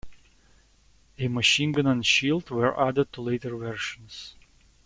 A machine gun and shield were added to later versions.